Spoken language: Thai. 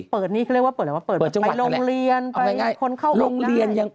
เปิดนี่เขาเรียกว่าเปิดอะไรไปโรงเรียนไปคนเข้าโรงหน้า